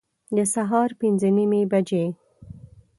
د سهار پنځه نیمي بجي